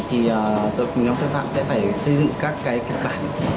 thì tội quỳnh ông tân phạm sẽ phải xây dựng các cái kết bản